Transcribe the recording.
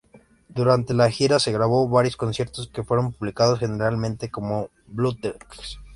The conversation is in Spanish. Durante la gira se grabó varios conciertos, que fueron publicados generalmente como "bootlegs".